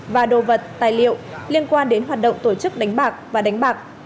và đồ vật tài liệu liên quan đến hoạt động tổ chức đánh bạc và đánh bạc